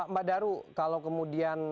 mbak daru kalau kemudian